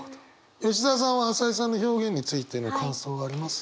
吉澤さんは朝井さんの表現についての感想はあります？